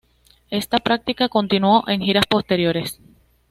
Esta práctica continuó en giras posteriores.